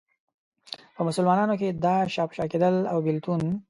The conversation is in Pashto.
په مسلمانانو کې دا شا په شا کېدل او بېلتون.